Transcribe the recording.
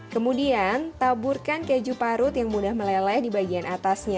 kemudian taburkan keju parut yang mudah meleleh dibagian atasnya